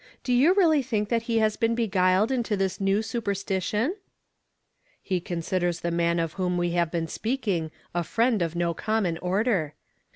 Do you really think that he has been beguiled into tliis new supei stition ?" "He considers the man of Avhom we have been speaking a friend of no common order."